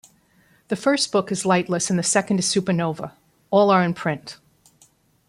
The first book is "Lightless" and the second is "Supernova", all are in print.